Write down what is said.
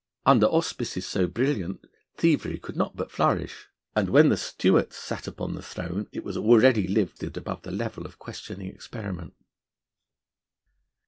Under auspices so brilliant, thievery could not but flourish, and when the Stuarts sat upon the throne it was already lifted above the level of questioning experiment.